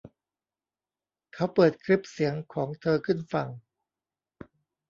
เขาเปิดคลิปเสียงของเธอขึ้นฟัง